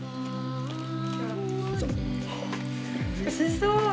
おいしそう。